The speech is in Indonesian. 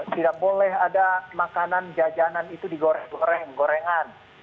tidak boleh ada makanan jajanan itu digoreng goreng gorengan